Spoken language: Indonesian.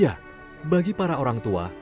ya bagi para orang tua